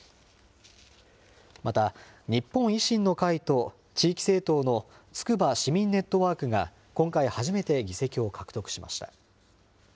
また、日本維新の会と地域政党のつくば・市民ネットワークが今回初めて議席を獲得しました。